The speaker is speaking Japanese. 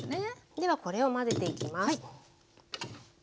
ではこれを混ぜていきます。